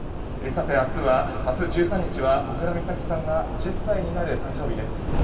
さて、明日１３日は小倉美咲さんが１０歳になる誕生日です。